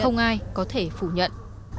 không ai có thể phủ nhận